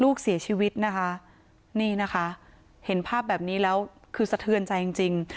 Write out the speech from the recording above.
ลูกเสียชีวิตนะคะนี่นะคะเห็นภาพแบบนี้แล้วคือสะเทือนใจจริงจริง